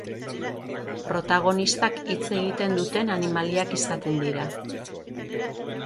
Protagonistak hitz egiten duten animaliak izaten dira.